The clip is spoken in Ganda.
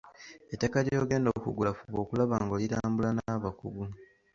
Ettaka ly'ogenda okugula fuba okulaba nga olirambula n’abakugu.